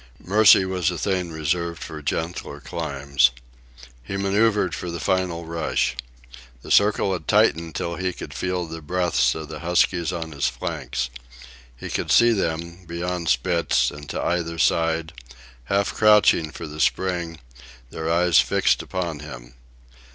Mercy was a thing reserved for gentler climes. He manœuvred for the final rush. The circle had tightened till he could feel the breaths of the huskies on his flanks. He could see them, beyond Spitz and to either side, half crouching for the spring, their eyes fixed upon him.